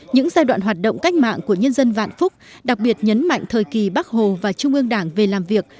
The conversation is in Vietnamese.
những giai đoạn hoạt động cách mạng của nhân dân vạn phúc đặc biệt nhấn mạnh thời kỳ bắc hồ và trung ương đảng về làm việc